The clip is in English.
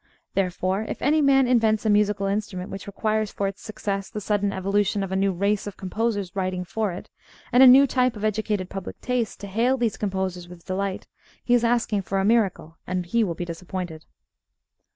Therefore, if any man invents a musical instrument which requires for its success the sudden evolution of a new race of composers writing for it, and a new type of educated public taste to hail these composers with delight, he is asking for a miracle and he will be disappointed.